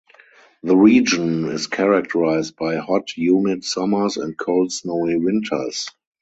The region is characterized by hot humid summers and cold snowy winters.